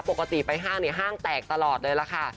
ปกติไปห้างเนี่ยห้างแตกตลอดเลยล่ะค่ะ